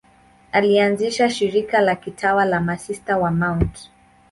Alianzisha shirika la kitawa la Masista wa Mt.